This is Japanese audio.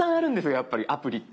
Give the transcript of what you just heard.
やっぱりアプリって。